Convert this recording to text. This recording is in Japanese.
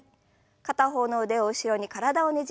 片方の腕を後ろに体をねじります。